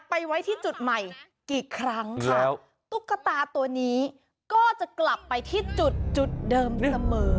ไว้ที่จุดใหม่กี่ครั้งค่ะตุ๊กตาตัวนี้ก็จะกลับไปที่จุดจุดเดิมเสมอ